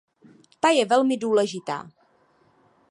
Ta je velmi důležitá.